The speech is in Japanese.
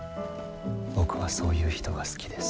僕はそういう人が好きです。